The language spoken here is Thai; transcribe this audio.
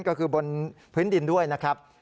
ก็คือบนพื้นดินด้วยนะครับ